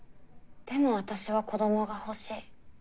でも私は子どもが欲しい。